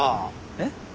えっ？